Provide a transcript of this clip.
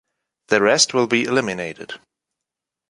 The rest will be eliminated.